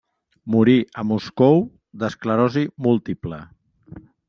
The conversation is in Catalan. Morí a Moscou d'esclerosi múltiple.